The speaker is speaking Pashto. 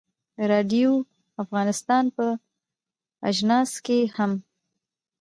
د راډیو افغانستان په اژانس کې هم.